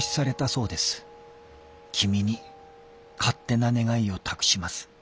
君に勝手な願いを託します」。